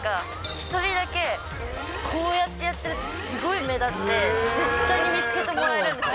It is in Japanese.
１人だけ、こうやってやってるとすごい目立って、絶対に見つけてもらえるんですよ。